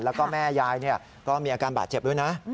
แล้วก็แม่ยายก็มีอาการบาดเจ็บด้วยนะ